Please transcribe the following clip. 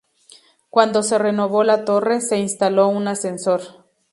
Cuando se renovó la torre, se instaló un ascensor.